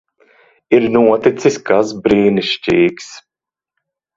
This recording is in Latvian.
Ir noticis kas brīnišķīgs.